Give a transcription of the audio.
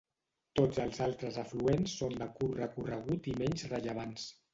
Tots els altres afluents són de curt recorregut i menys rellevants.